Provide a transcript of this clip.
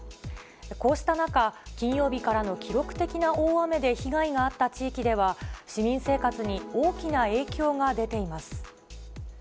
こうした中、金曜日からの記録的な大雨で被害があった地域では、市民生活に大きな影響が出ています。